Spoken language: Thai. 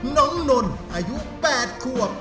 น้องนนท์อายุ๘ควบ